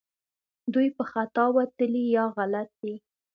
دوی په خطا وتلي یا غلط دي